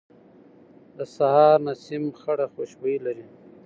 د سهار نسیم خړه خوشبويي لري